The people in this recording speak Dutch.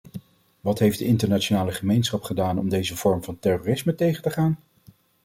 Wat heeft de internationale gemeenschap gedaan om deze vorm van terrorisme tegen te gaan?